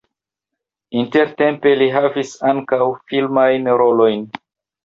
Intertempe li havis ankaŭ filmajn rolojn.